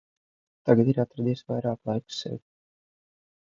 Tagad ir atradies vairāk laiks sev.